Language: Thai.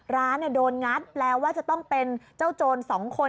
ร้านโดนงัดแปลว่าจะต้องเป็นเจ้าโจร๒คน